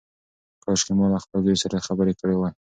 کاشکي ما له خپل زوی سره خبرې کړې وای.